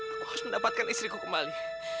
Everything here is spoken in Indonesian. aku harus mendapatkan istriku kembali